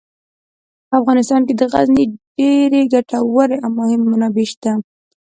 په افغانستان کې د غزني ډیرې ګټورې او مهمې منابع شته.